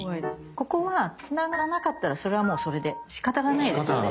ここはつながらなかったらそれはもうそれでしかたがないですよね。